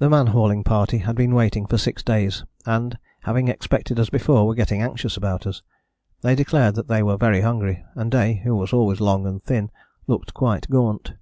The man hauling party had been waiting for six days; and, having expected us before, were getting anxious about us. They declared that they were very hungry, and Day, who was always long and thin, looked quite gaunt.